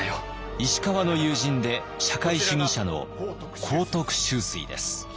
石川の友人で社会主義者の幸徳秋水です。